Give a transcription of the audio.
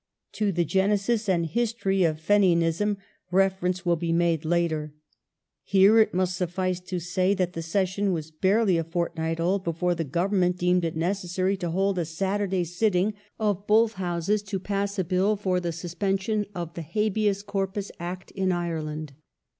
To the genesis and history of Fenianism reference will be made later. Here it must sufiice to say that the session was barely a fortnight old before the Government deemed it necessary to hold a Saturday sitting of both Houses to pass a Bill for the suspension of the Habeas Corpus Act in Ireland.